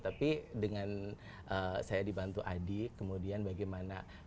tapi dengan saya dibantu adi kemudian bagaimana